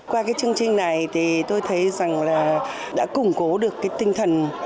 qua cái chương trình này thì tôi thấy rằng là đã củng cố được cái tinh thần